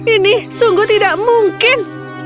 ini sungguh tidak mungkin